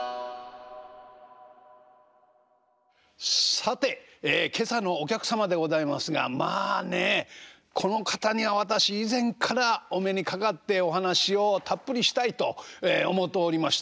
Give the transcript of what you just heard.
さて今朝のお客様でございますがまあねこの方には私以前からお目にかかってお話をたっぷりしたいと思うておりました。